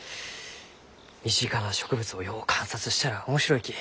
身近な植物をよう観察したら面白いき。